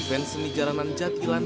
event seni jalanan jatilan